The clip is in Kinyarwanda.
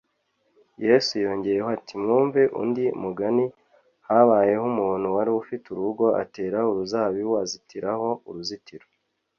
yesu yongeyeho ati: « mwumve undi mugani: habayeho umuntu wari ufite urugo, atera uruzabibu azitiraho uruzitiro,